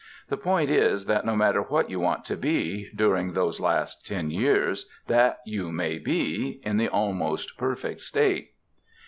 The point is, that no matter what you want to be, during those last ten years, that you may be, in the Almost Perfect State.